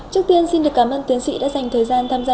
trước tiên xin được cảm ơn tiến sĩ đã dành thời gian tham gia